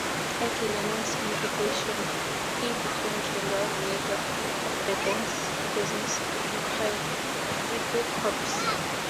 At Lennon's invitation, he became general manager of the band's business empire, Apple Corps.